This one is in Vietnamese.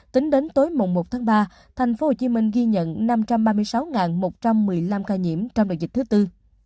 tính đến tối một tháng ba tp hcm ghi nhận năm trăm ba mươi sáu một trăm một mươi năm ca nhiễm trong đợt dịch thứ tư